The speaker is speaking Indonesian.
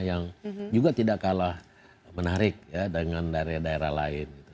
yang juga tidak kalah menarik ya dengan daerah daerah lain gitu